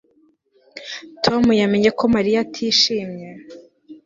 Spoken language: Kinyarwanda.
Tom yamenye ko Mariya atishimye